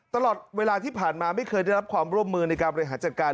ตลอดเวลาที่ผ่านมาไม่เคยได้รับความร่วมมือในการบริหารจัดการ